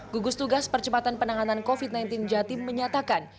gugus tugas percepatan penanganan covid sembilan belas jatim menyatakan